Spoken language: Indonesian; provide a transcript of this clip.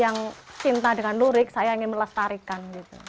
yang cinta dengan lurik saya ingin melestarikan